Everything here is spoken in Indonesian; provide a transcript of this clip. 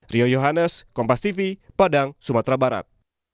rio yohannes kompas tv padang sumatera barat